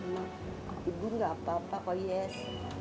mbak ibu enggak apa apa kok yes